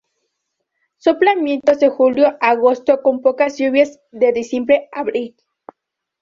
Soplan vientos de julio a agosto, con pocas lluvias de diciembre a abril.